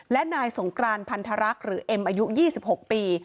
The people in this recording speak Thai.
และนายสงกรานพันธรักษ์หรือเอ็มอายุ๒๖ปี